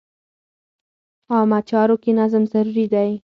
عامه چارو کې نظم ضروري دی.